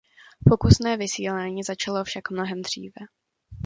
Pokusné vysílání začalo však mnohem dříve.